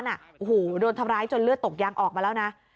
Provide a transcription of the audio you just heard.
โอ้โหโดนทำร้ายจนเลือดตกยางออกมาแล้วนะ